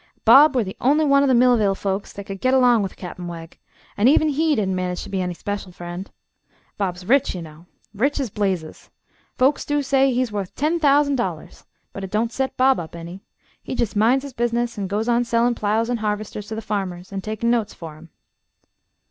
Bob were the on'y one o' the Millville folks thet could git along with Cap'n Wegg, an' even he didn't manage to be any special friend. Bob's rich, ye know. Rich as blazes. Folks do say he's wuth ten thousan' dollars; but it don't set Bob up any. He jest minds his business an' goes on sellin' plows an' harvesters to the farmers an' takin' notes fer 'em."